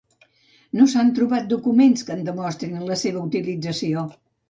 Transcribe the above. No s'han trobat documents que en demostrin la seva utilització.